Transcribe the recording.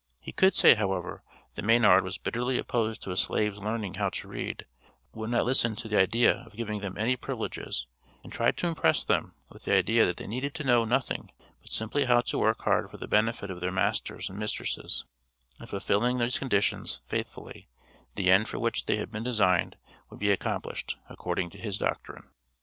He could say, however, that Mannard was bitterly opposed to a slave's learning how to read, would not listen to the idea of giving them any privileges, and tried to impress them with the idea that they needed to know nothing but simply how to work hard for the benefit of their masters and mistresses; in fulfilling these conditions faithfully the end for which they had been designed would be accomplished according to his doctrine.